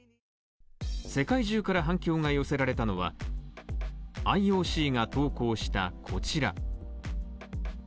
世界中から反響が寄せられたのはＩＯＣが投稿したこちら。